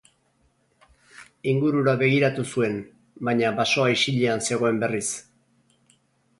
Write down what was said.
Ingurura begiratu zuen, baina basoa isilean zegoen berriz.